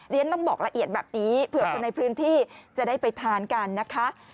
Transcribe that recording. ต้องบอกละเอียดแบบนี้เผื่อคนในพื้นที่จะได้ไปทานกันนะคะ